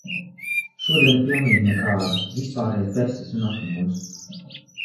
Šodiena pilnīgi nekāda, vispārējs besis un apnikums.